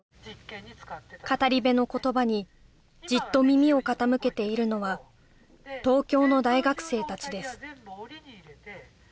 語り部の言葉にじっと耳を傾けているのは東京の大学生たちです